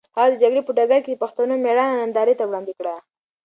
هغه د جګړې په ډګر کې د پښتنو مېړانه نندارې ته وړاندې کړه.